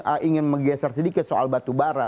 tapi kalau saya ingin menggeser sedikit soal batu bara